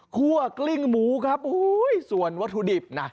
ั่วกลิ้งหมูครับโอ้โหส่วนวัตถุดิบน่ะ